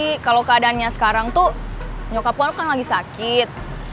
ya tapi kalo keadaannya sekarang tuh nyokap lo kan lagi sakit